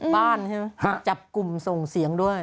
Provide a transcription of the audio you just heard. ปั้นจับกลุ่มส่งเสียงด้วย